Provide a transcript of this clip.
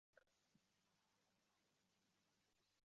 Bu g`irt ko`zbo`yamachilik